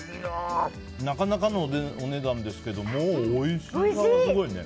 なかなかのお値段ですけどすごいね！